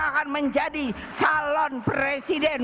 akan menjadi calon presiden